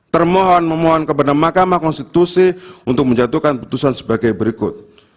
termohon memohon kepada mahkamah konstitusi untuk menjatuhkan putusan sebagai berikut